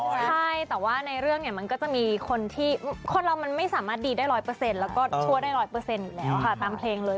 ใช่แต่ว่าในเรื่องเนี่ยมันก็จะมีคนที่คนเรามันไม่สามารถดีได้ร้อยเปอร์เซ็นต์แล้วก็ชั่วได้ร้อยเปอร์เซ็นต์อยู่แล้วค่ะตามเพลงเลย